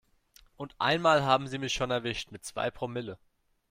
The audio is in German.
Und einmal haben sie mich schon erwischt mit zwei Promille.